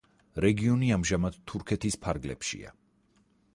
რეგიონი ამჟამად თურქეთის ფარგლებშია.